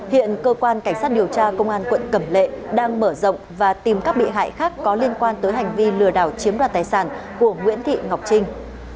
hiện cơ quan cảnh sát điều tra công an quận cẩm lệ đang mở rộng và tìm các bị hại khác có liên quan tới hành vi lừa đảo chiếm đoạt tài sản của nguyễn thị ngọc trinh